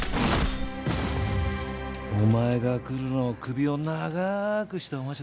お前が来るのを首を長くしてお待ちだ。